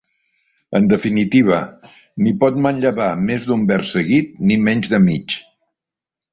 En definitiva, ni pot manllevar més d'un vers seguit ni menys de mig.